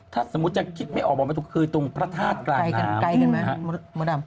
ถ้าสมมุติจะคิดไม่ออกมาทุกคืนตรงพระธาตุกลางน้ำ